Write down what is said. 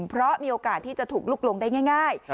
เพราะมีโอกาสที่จะถูกลุกลงได้ง่าย